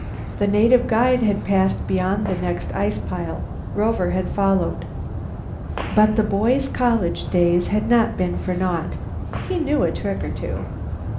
The native guide had passed beyond the next ice pile. Rover had followed. But the boy's college days had not been for naught; he knew a trick or two.